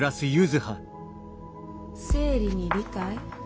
生理に理解？